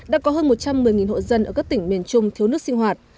đã có hơn một trăm một mươi hộ dân ở các tỉnh miền trung thiếu nước sinh hoạt